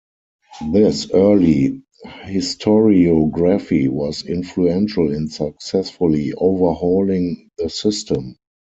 This early historiography was influential in successfully overhauling the system.